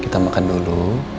kita makan dulu